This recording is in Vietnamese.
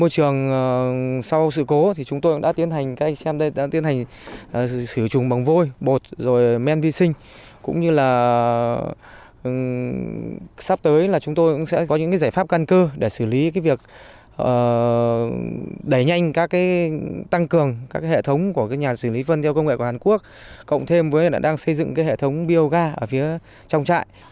các hệ thống của nhà xử lý vân theo công nghệ của hàn quốc cộng thêm với đang xây dựng hệ thống biogar ở phía trong trại